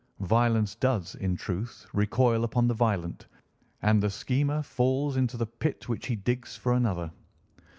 Violence does, in truth, recoil upon the violent, and the schemer falls into the pit which he digs for another.